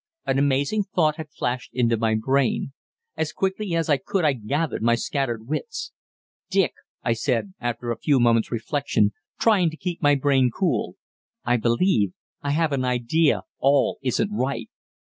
An amazing thought had flashed into my brain. As quickly as I could I gathered my scattered wits: "Dick," I said after a few moments' reflection, trying to keep my brain cool, "I believe I have an idea all isn't right.